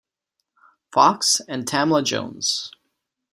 Fox and Tamala Jones.